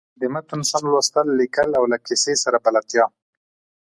د متن سم لوستل، ليکل او له کیسۍ سره بلدتیا.